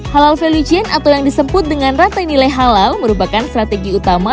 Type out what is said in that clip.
halal felician atau yang disebut dengan rantai nilai halal merupakan strategi utama